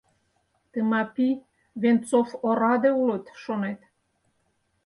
Тымапи, Венцов ораде улыт, шонет?